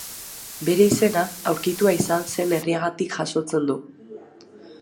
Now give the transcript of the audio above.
Bere izena, aurkitua izan zen herriagatik jasotzen du.